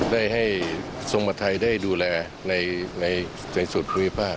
ได้ให้ทรงประธรรมไทยได้ดูแลในสูตรภูมิภาค